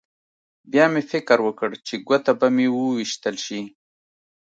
بیا مې فکر وکړ چې ګوته به مې وویشتل شي